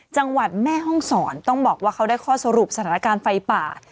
จังหวัดแม่ห้องศรต้องบอกว่าเขาได้ข้อสรุปสถานการณ์ไฟป่า